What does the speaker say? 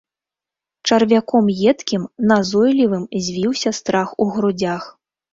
Чарвяком едкім, назойлівым звіўся страх у грудзях.